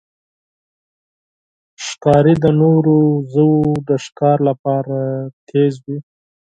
ښکاري د نورو ژوو د ښکار لپاره تیز وي.